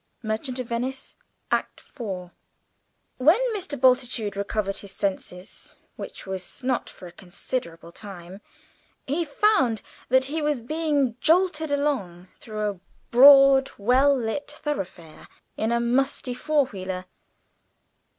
Merchant of Venice, Act iv. When Mr. Bultitude recovered his senses, which was not for a considerable time, he found that he was being jolted along through a broad well lit thoroughfare, in a musty four wheeler.